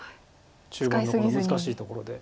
中盤のこの難しいところで。